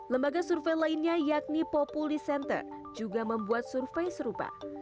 lembaga survei lainnya yakni populi center juga membuat survei serupa